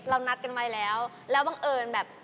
นัดกันไว้แล้วแล้วบังเอิญแบบ